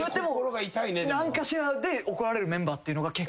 何かしらで怒られるメンバーっていうのが結構。